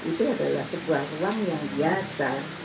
itu adalah sebuah ruang yang biasa